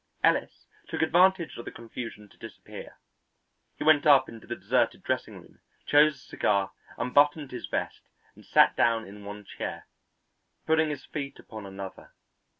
Ellis took advantage of the confusion to disappear. He went up into the deserted dressing room, chose a cigar, unbuttoned his vest and sat down in one chair, putting his feet upon another.